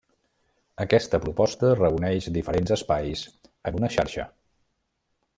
Aquesta proposta reuneix diferents espais en una xarxa.